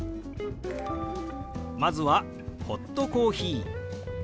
まずは「ホットコーヒー」。